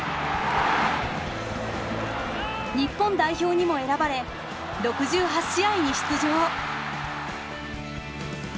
日本代表にも選ばれ６８試合に出場。